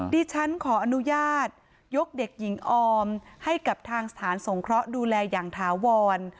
ดิฉันขออนุญาตยกเด็กหญิงออมให้กับทางสถานสงเคราะห์ดูแลอย่างถาวร